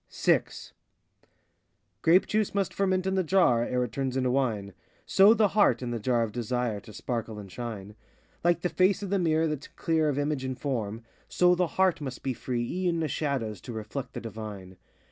VI Grape juice must ferment in the jar, Ere it turns into wine; So the heart, in the jar of Desire, To sparkle and shine. Like the face of the mirror that 's clear Of image and form, So the heart must be free e'en of shadows To reflect the divine.